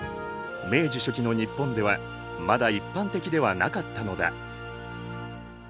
明治初期の日本ではまだ一般的ではなかったのだ。